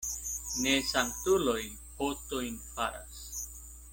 Ne sanktuloj potojn faras.